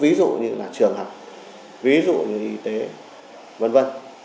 ví dụ như là trường học ví dụ như y tế v v